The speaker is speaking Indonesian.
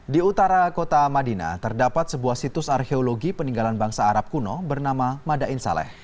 di utara kota madinah terdapat sebuah situs arkeologi peninggalan bangsa arab kuno bernama madain saleh